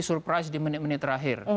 surprise di menit menit terakhir